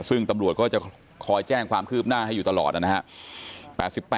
ซึ่งตำรวจก็จะคอยแจ้งความคืบหน้าให้อยู่ตลอดนะครับ